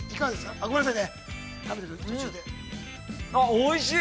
おいしい。